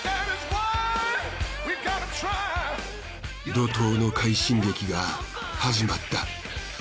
怒とうの快進撃が始まった。